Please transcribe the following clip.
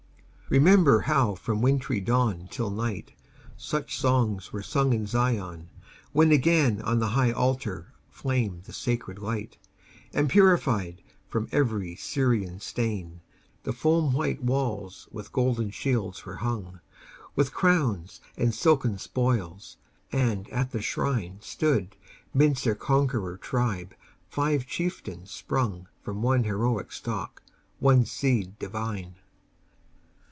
Remember how from wintry dawn till night, Such songs were sung in Zion, when again On the high altar flamed the sacred light, And, purified from every Syrian stain, The foam white walls with golden shields were hung, With crowns and silken spoils, and at the shrine, Stood, midst their conqueror tribe, five chieftains sprung From one heroic stock, one seed divine.